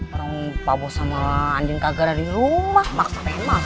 orang pabos sama andien kagara di rumah maksudnya emang